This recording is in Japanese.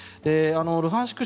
ルハンシク